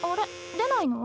出ないの？